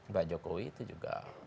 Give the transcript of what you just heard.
pak jokowi itu juga